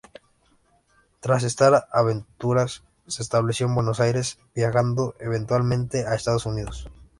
Tras estas aventuras se estableció en Buenos Aires, viajando eventualmente a Estados Unidos.